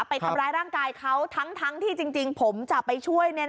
ไปทำร้ายร่างกายเขาทั้งที่จริงผมจะไปช่วย